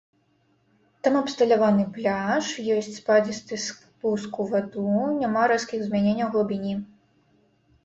Там абсталяваны пляж, ёсць спадзісты спуск у ваду, няма рэзкіх змяненняў глыбіні.